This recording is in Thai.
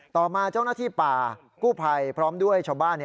ต่อมาเจ้าหน้าที่ป่ากู้ภัยพร้อมด้วยชาวบ้าน